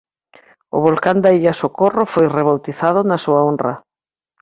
O volcán na illa Socorro foi rebautizado na súa honra.